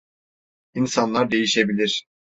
İnsanlar değişebilir.